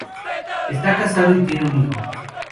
Esta casado y tiene un hijo.